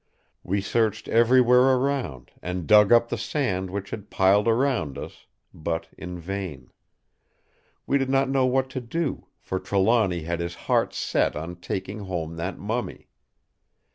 We searched everywhere around, and dug up the sand which had piled around us; but in vain. We did not know what to do, for Trelawny had his heart set on taking home that mummy.